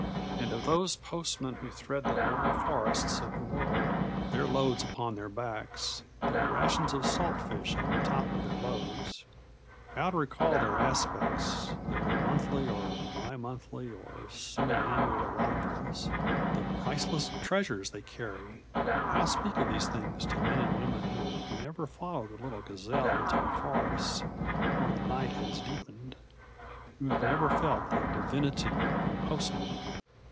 And of those postmen who thread the lonely forests of the world, their loads upon their backs, their rations of salt fish on top of their loads; how to recall their aspects, their monthly or bi monthly or semi annual arrivals, the priceless treasures they carry! how speak of these things to men and women who have never followed the little gazelle into those forests where the night has deepened; who have never felt the divinity in postmen!